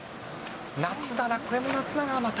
夏だな、これも夏だな、また。